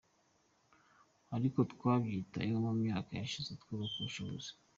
Ariko twabyitayeho mu myaka yashize twubaka ubushobozi”.